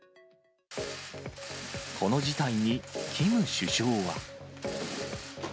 この事態にキム首相は。